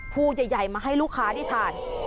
พูใหญ่มาให้ลูกค้าที่ทาน